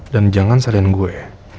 dan jangan salahin gue